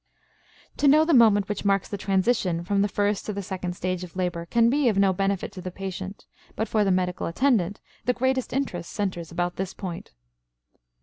To know the moment which marks the transition from the first to the second stage of labor can be of no benefit to the patient; but for the medical attendant the greatest interest centers about this point.